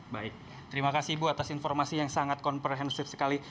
baik terima kasih ibu atas informasi yang sangat komprehensif sekali